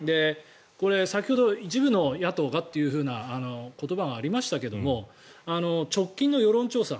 先ほど一部の野党がという言葉がありましたけれど直近の世論調査